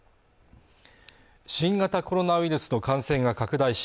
新型コロナウイルスの感染が拡大し